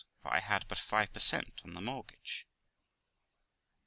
for I had but 5 per cent, on the mortgage.'